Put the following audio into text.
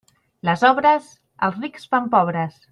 Les obres, als rics fan pobres.